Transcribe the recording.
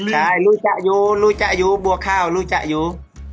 ใช่รู้จักอยู่รู้จักอายุบัวข้าวรู้จักอยู่